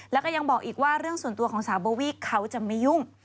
แล้วก็ยังบอกอีกว่าเรื่องส่วนตัวของสาวโบวี่เขาจะไม่ยุ่ง